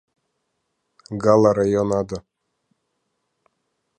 Гал араион ада.